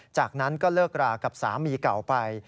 จากนั้นก็เลิกรากับสามีเก่าไป